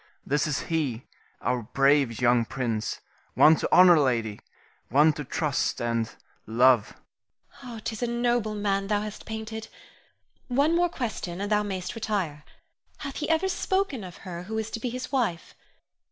This is he, our brave young prince; one to honor, lady; one to trust and love. Irene. 'Tis a noble man thou hast painted. One more question and thou mayst retire. Hath he ever spoken of her who is to be his wife?